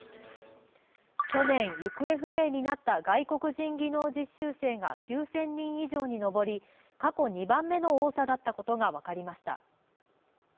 去年、行方不明となった外国人実習生が９０００人以上に上り過去２番目の多さだったことが分かりました。